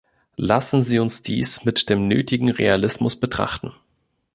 Lassen Sie uns dies mit dem nötigen Realismus betrachten.